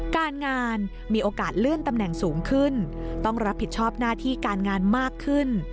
การงานมีโอกาสเลื่อนตำแหน่งสูงขึ้นต้องรับผิดชอบหน้าที่การงานมากขึ้น